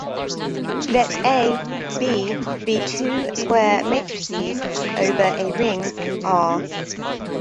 Let "A", "B" be two square matrices over a ring "R".